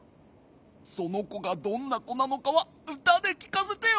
そのこがどんなこなのかはうたできかせてよ。